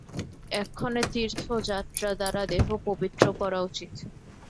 এক্ষণে তীর্থযাত্রা দ্বারা দেহ পবিত্র করা উচিত।